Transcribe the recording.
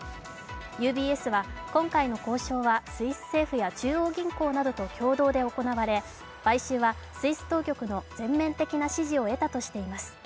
ＵＢＳは今回の交渉はスイス政府や中央銀行などと共同で行われ買収はスイス当局の全面的な支持を得たとしています。